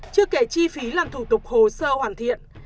chưa kể chi phí làm thủ tục hồ sơ hoàn thiện